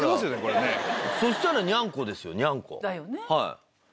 そしたらにゃんこですよ。だよね。